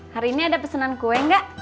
hari ini ada pesenan kue gak